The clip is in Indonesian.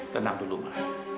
tenang dulu mama